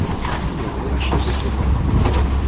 Ḥemmlen warrac ad ssunɣen.